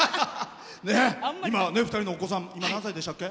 今は２人のお子さん何歳でしたっけ？